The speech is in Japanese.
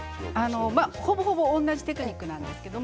ほぼほぼ、同じテクニックです。